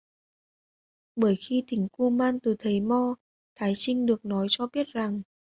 Bởi khi thỉnh kuman từ thầy mo thái trinh được nói cho biết rằng